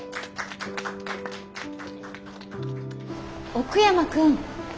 奥山君。